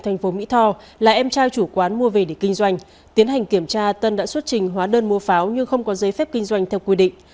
thành phố mỹ tho là em trai chủ quán mua về để kinh doanh tiến hành kiểm tra tân đã xuất trình hóa đơn mua pháo nhưng không có giấy phép kinh doanh theo quy định